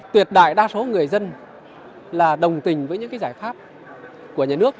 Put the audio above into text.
tuyệt đại đa số người dân là đồng tình với những giải pháp của nhà nước